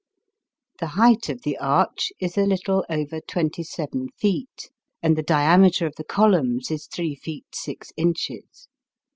The height of the arch is a little over twenty seven feet, and the diameter of the columns is three feet six inches.